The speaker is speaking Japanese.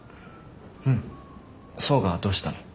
うん想がどうしたの？